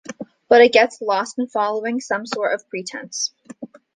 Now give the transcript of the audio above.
But it gets lost in following some sort of pretense.